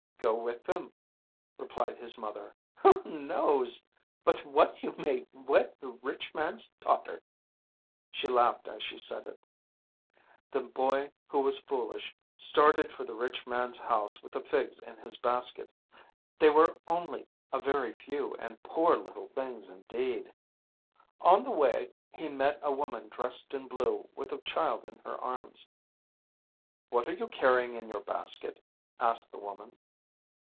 Go with them," replied his mother. "Who knows but what you may wed the rich man's daughter!" She laughed as she said it. The boy who was foolish started for the rich man's house with the figs in his basket. They were only a very few, and poor little things indeed. On the way he met a woman dressed in blue with a child in her arms. "What are you carrying in your basket?" asked the woman.